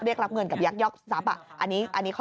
เรียกรับเงินกับยักษ์ยอกทรัพย์อันนี้ข้อ๓